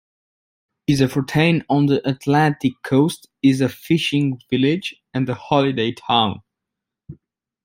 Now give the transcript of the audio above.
Yzerfontein on the Atlantic coast is a fishing village and holiday town.